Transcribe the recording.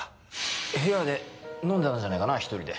部屋で飲んでたんじゃないかな１人で。